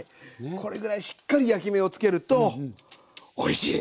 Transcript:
これぐらいしっかり焼き目をつけるとおいしい！